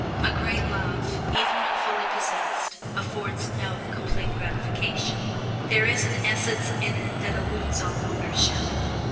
A great love, even when fully possessed, affords no complete gratification. There is an essence in it that eludes all ownership.